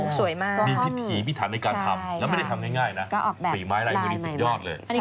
อ๋อสวยมากมีพิถีมีฐานในการทำแล้วไม่ได้ทำง่ายนะสีไม้อะไรมีสิบยอดเลย